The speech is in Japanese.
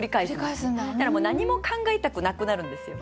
そしたらもう何も考えたくなくなるんですよ。